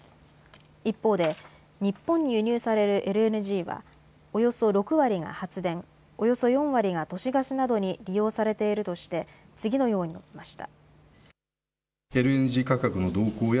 一方で日本に輸入されるＬＮＧはおよそ６割が発電、およそ４割が都市ガスなどに利用されているとして次のように述べました。